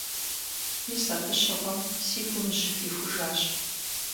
Мис абы щыгъуэм си гум жьы дихужащ.